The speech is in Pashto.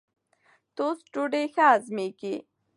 ټوسټ ډوډۍ ښه هضمېږي.